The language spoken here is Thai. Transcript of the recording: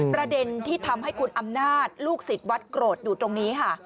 ประเด็นที่ทำให้คุณอำนาจลูกศิษย์วัดโกรธอยู่ตรงนี้ค่ะ